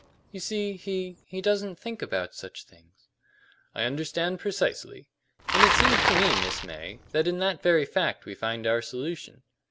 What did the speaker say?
You see, he he doesn't think about such things." "I understand precisely. And it seems to me, Miss May, that in that very fact we find our solution."